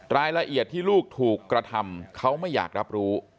รายละเอียดที่ลูกถูกกระทำเขาไม่อยากรับรู้